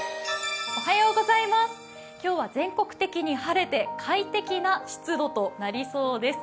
今日は全国的に晴れて快適な湿度となりそうです。